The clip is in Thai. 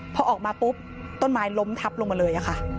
พอออกมาปุ๊บต้นไม้ล้มทับลงมาเลยค่ะ